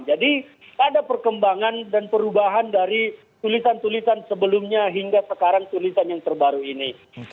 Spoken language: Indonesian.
jadi ada perkembangan dan perubahan dari tulisan tulisan sebelumnya hingga sekarang tulisan yang terbaru ini